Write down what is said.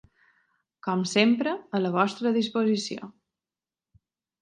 Com sempre, a la vostra disposició.